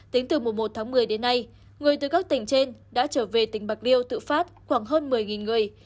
tính từ mùa một tháng một mươi đến nay người từ các tỉnh trên đã trở về tỉnh bạc liêu tự phát khoảng hơn một mươi người